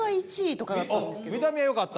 見た目はよかった。